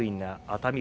熱海